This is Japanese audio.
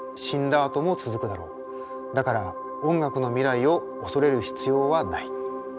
だから音楽の未来を恐れる必要はない」。